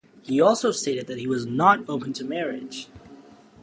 He also stated that he was not open to marriage.